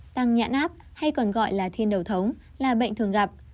tăng nhãn áp hay còn gọi là thiên đầu thống là bệnh thường gặp